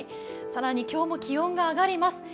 更に今日も気温が上がります。